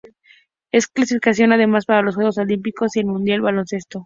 Es clasificatorio además para los juegos olímpicos y el mundial de baloncesto.